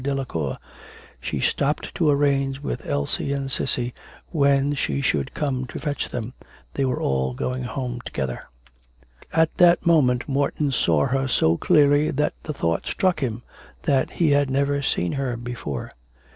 Delacour, she stopped to arrange with Elsie and Cissy when she should come to fetch them, they were all going home together. At that moment Morton saw her so clearly that the thought struck him that he had never seen her before.